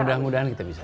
mudah mudahan kita bisa